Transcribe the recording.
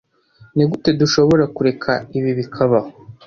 Nigute dushobora kureka ibi bikabaho?